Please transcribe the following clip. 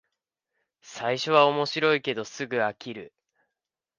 最初は面白いけどすぐ飽きる